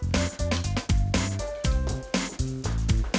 duduk duduk duduk